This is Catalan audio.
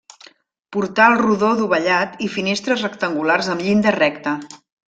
Portal rodó dovellat i finestres rectangulars amb llinda recta.